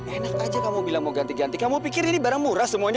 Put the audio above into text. enak aja kamu bilang mau ganti ganti kamu pikir ini barang murah semuanya